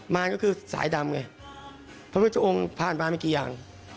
มานก็คือสายดำไงเพราะว่าเจ้าองค์ผ่านมาไม่กี่อย่าง